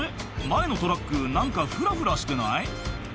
前のトラック何かフラフラしてない？」